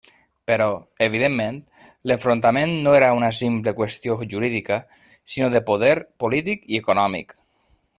Però, evidentment, l'enfrontament no era una simple qüestió jurídica, sinó de poder polític i econòmic.